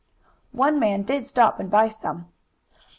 One man did stop and buy some.